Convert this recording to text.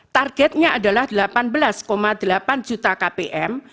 targetnya adalah delapan belas delapan juta kpm